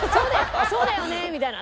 「そうだよね！」みたいな。